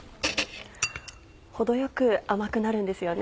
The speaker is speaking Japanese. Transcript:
程よく甘くなるんですよね。